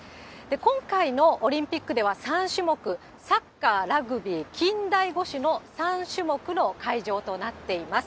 今回のオリンピックでは３種目、サッカー、ラグビー、近代五種の３種目の会場となっています。